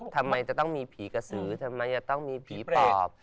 ทำไมจะต้องมีผีกระสือทำไมจะต้องมีผีปอบ